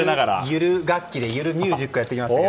ゆる楽器でゆるミュージックをやってきました。